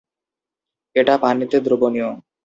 এটা পানিতে দ্রবণীয়।